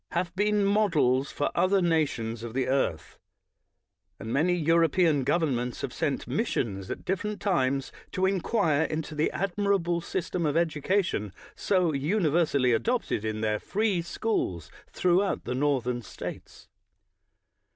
244 BRIGHT have been models for other nations of the earth ; and many European governments have sent mis sions at different times to inquire into the ad mirable system of education so universally adopted in their free schools throughout the Northern States.